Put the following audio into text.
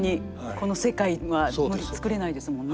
この世界は作れないですもんね。